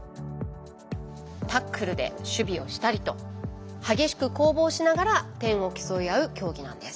タックルで守備をしたりと激しく攻防しながら点を競い合う競技なんです。